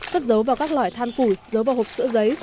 cất dấu vào các loại than củi giấu vào hộp sữa giấy